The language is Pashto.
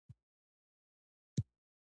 د بیا بیا لوستلو سپارښتنه دې وکړي.